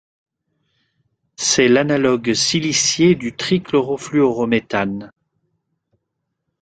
C'est l'analogue silicié du trichlorofluorométhane.